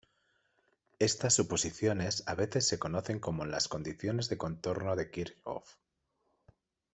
Estas suposiciones a veces se conocen como las condiciones de contorno de Kirchhoff.